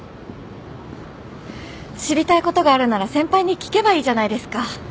知りたいことがあるなら先輩に聞けばいいじゃないですか。